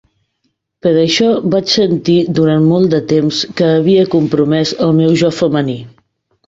Per això vaig sentir durant molt de temps que havia compromès el meu jo femení.